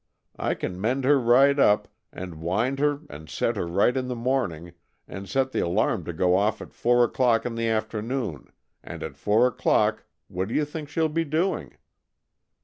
I can mend her right up, and wind her and set her right in the morning, and set the alarm to go off at four o'clock in the afternoon, and at four o'clock what do you think she'll be doing?